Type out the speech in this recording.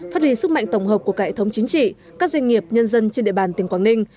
phát huy sức mạnh tổng hợp của cải thống chính trị các doanh nghiệp nhân dân trên địa bàn tỉnh quảng ninh